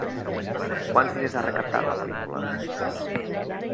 Quants diners ha recaptat la pel·lícula?